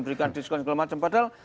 berikan diskon segala macam padahal